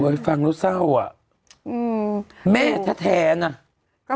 อือฟี้ฟรังรู้เศร้าอ่ะแม่ชะแทนอ่ะ